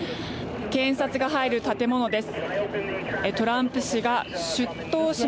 検察が入る建物です。